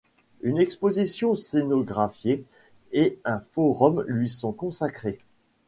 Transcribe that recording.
Une exposition scénographiée et un forum lui sont consacrés.